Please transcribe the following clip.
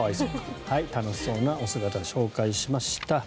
楽しそうなお姿、紹介しました。